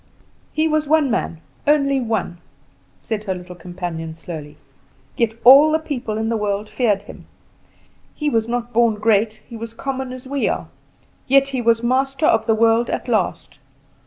"He was one man, only one," said her little companion slowly, "yet all the people in the world feared him. He was not born great, he was common as we are; yet he was master of the world at last.